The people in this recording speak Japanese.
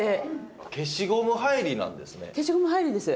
消しゴム入りなんですね。